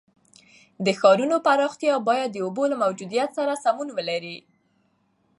د ښارونو پراختیا باید د اوبو له موجودیت سره سمون ولري.